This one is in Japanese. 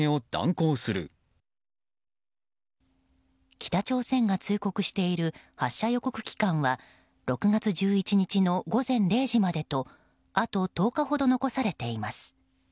北朝鮮が通告している発射予告期間は６月１１日の午前０時までとあと１０日ほど残されています。